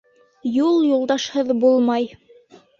Юл юлдашһыҙ булмай.